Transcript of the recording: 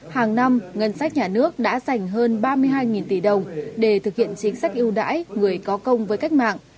hàng năm ngân sách nhà nước đã dành hơn ba mươi hai tỷ đồng để thực hiện chính sách ưu đãi người có công với cách mạng